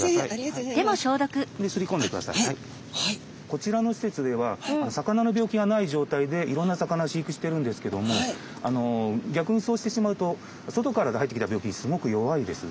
こちらの施設では魚の病気がない状態でいろんな魚を飼育してるんですけども逆にそうしてしまうと外から入ってきた病気にすごく弱いです。